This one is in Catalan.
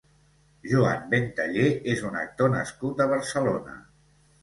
Joan Bentallé és un actor nascut a Barcelona.